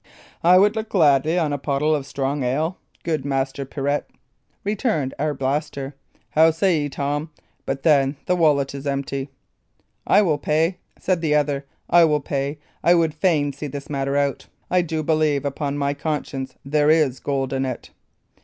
"I would look gladly on a pottle of strong ale, good Master Pirret," returned Arblaster. "How say ye, Tom? But then the wallet is empty." "I will pay," said the other "I will pay. I would fain see this matter out; I do believe, upon my conscience, there is gold in it."